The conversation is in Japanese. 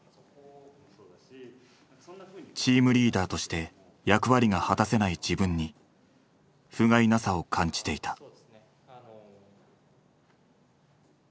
チームリーダーとして役割が果たせない自分にふがいなさを感じていた。